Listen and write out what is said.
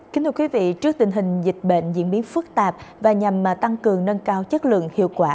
kính thưa quý vị trước tình hình dịch bệnh diễn biến phức tạp và nhằm tăng cường nâng cao chất lượng hiệu quả